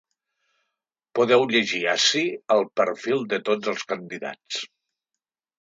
Podeu llegir ací el perfil de tots els candidats.